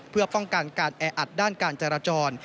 เพื่อป้องกันการแออัดด้านการจราจร